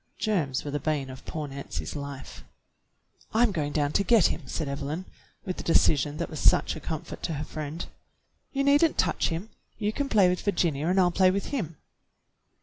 Germs were the bane of poor Nancy's life. "I'm going down to get him," said Evelyn, with the decision that was such a comfort to her friend. "You need n't touch him. You can play with Vir ginia and I'll play with him."